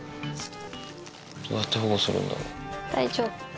どうやって保護するんだろう？